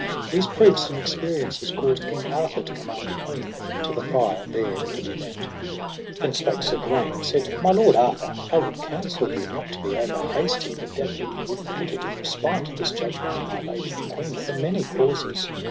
These proofs and experiences caused King Arthur to command the queen to the fire there to be brent. Then spake Sir Gawaine, and said: My lord Arthur, I would counsel you not to be over hasty, but that ye would put it in respite, this judgment of my lady the queen, for many causes.